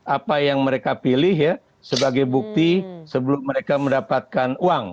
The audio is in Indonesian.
apa yang mereka pilih ya sebagai bukti sebelum mereka mendapatkan uang